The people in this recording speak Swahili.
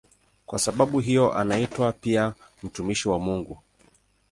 Kwa sababu hiyo anaitwa pia "mtumishi wa Mungu".